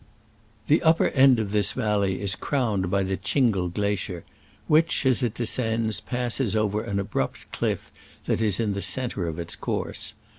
The upper end of this valley is crowned by the Tschingel glacier, which, as it descends, passes over an abrupt cliff that is in the centre of its course.